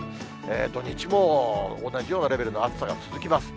土日も同じようなレベルの暑さが続きます。